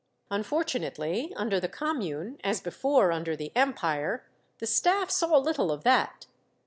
Unfortunately, under the Commune, as before under the Empire, the staff saw little of that.